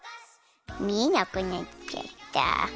みえなくなっちゃった。